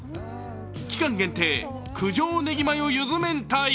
期間限定、九条ねぎマヨゆず明太。